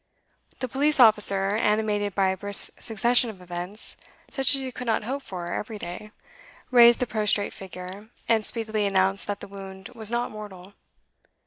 The police officer, animated by a brisk succession of events such as he could not hope for every day, raised the prostrate figure, and speedily announced that the wound was not mortal.